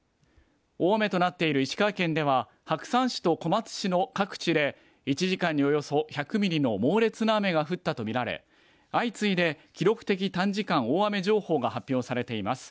大雨となっている石川県では白山市と小松市の各地で１時間におよそ１００ミリの猛烈な雨が降ったと見られ相次いで記録的短時間大雨情報が発表されています。